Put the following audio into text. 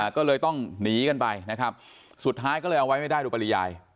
ก็เลยต้องหนีกันไปนะครับสุดท้ายก็เลยเอาไว้ไม่ได้ดูปริยาย